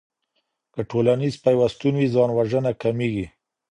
که ټولنيز پيوستون وي ځان وژنه کميږي.